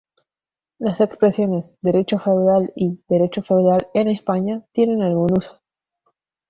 Las expresiones "derecho feudal" y "derecho feudal en España" tienen algún uso.